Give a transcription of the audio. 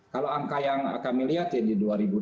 kalau angka yang kami lihat ya di dua ribu dua puluh